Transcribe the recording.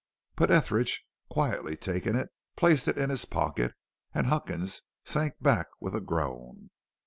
But Etheridge, quietly taking it, placed it in his pocket, and Huckins sank back with a groan.